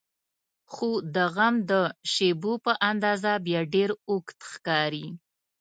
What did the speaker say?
خو د غم د شیبو په اندازه بیا ډېر اوږد ښکاري.